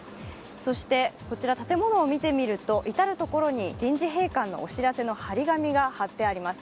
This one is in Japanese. そして、こちら建物を見てみると至るところに臨時閉館のお知らせの貼り紙が貼ってあります。